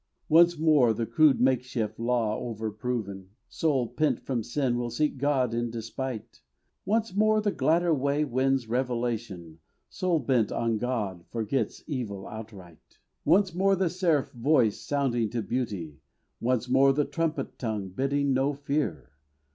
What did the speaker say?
Once more the crude makeshift law overproven, Soul pent from sin will seek God in despite; Once more the gladder way wins revelation, Soul bent on God forgets evil outright. Once more the seraph voice sounding to beauty, Once more the trumpet tongue bidding, no fear!